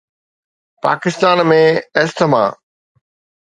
Pakistan ۾ asthma